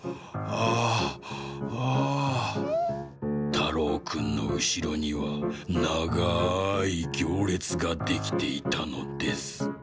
たろうくんのうしろにはながいぎょうれつができていたのです」。